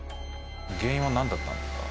原因は何だったんですか？